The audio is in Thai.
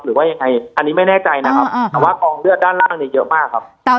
หรือว่ายังไงอันนี้ไม่แน่ใจนะครับแต่ว่ากองเลือดด้านล่างเนี่ยเยอะมากครับ